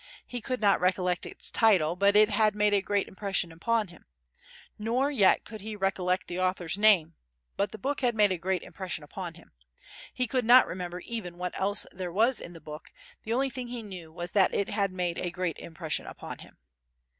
He could not recollect its title, but it had made a great impression upon him; nor yet could he recollect the author's name, but the book had made a great impression upon him; he could not remember even what else there was in the book; the only thing he knew was that it had made a great impression upon him.